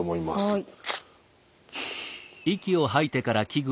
はい。